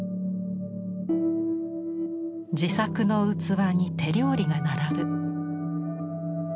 自作の器に手料理が並ぶ。